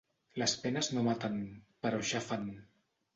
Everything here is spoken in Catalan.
Les penes no maten, però aixafen.